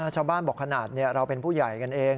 ชาวบ้านบอกขนาดนี้เราเป็นผู้ใหญ่กันเอง